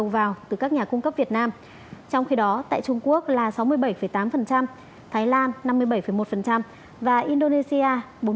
đầu từ các nhà cung cấp việt nam trong khi đó tại trung quốc là sáu mươi bảy tám thái lan năm mươi bảy một và indonesia bốn